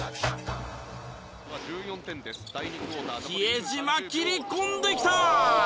比江島切り込んできた！